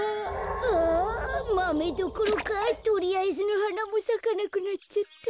あマメどころかとりあえずのはなもさかなくなっちゃった。